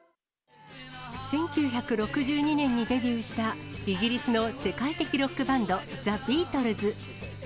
１９６２年にデビューした、イギリスの世界的ロックバンド、ザ・ビートルズ。